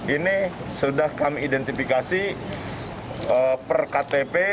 ini sudah kami identifikasi per ktp